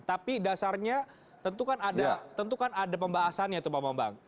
tapi dasarnya tentukan ada pembahasannya itu pak bambang